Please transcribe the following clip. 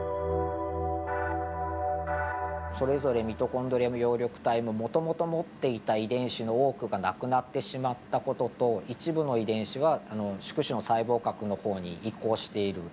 それぞれミトコンドリアも葉緑体ももともと持っていた遺伝子の多くがなくなってしまった事と一部の遺伝子は宿主の細胞核の方に移行している。